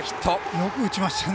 よく打ちましたね